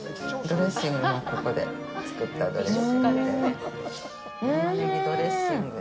ドレッシングもここで作ったドレッシングで。